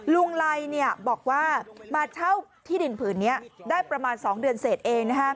ลุงไลบอกว่ามาเช่าที่ดินผืนนี้ได้ประมาณ๒เดือนเสร็จเอง